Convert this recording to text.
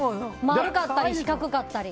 丸かったり四角かったり。